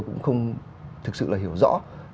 cũng không thực sự là hiểu rõ